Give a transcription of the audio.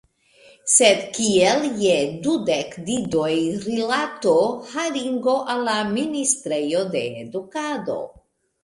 Sed kiel je dudek didoj rilatu haringo al la ministrejo de edukado?